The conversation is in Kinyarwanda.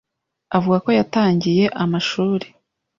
avuga ko yatangiye amashuri